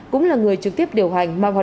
cũng là người trực tiếp điều hành